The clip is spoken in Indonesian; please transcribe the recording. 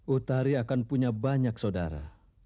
utari akan punya banyak saudara